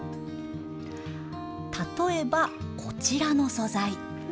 例えばこちらの素材。